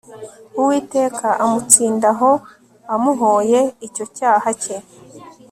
uwiteka amutsindaho amuhoye icyo cyaha cye